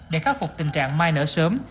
để khắc phục tình trạng mai nở sớm